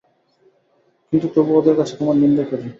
কিন্তু তবু ওদের কাছে তোমার নিন্দে করি।